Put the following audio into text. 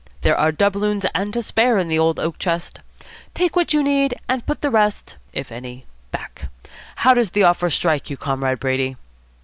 There are doubloons and to spare in the old oak chest. Take what you need and put the rest if any back. How does the offer strike you, Comrade Brady?"